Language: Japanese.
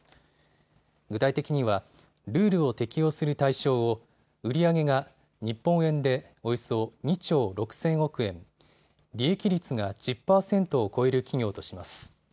具体的にはルールを適用する対象を売り上げが日本円で、およそ２兆６０００億円、利益率が１０％を超える企業とします。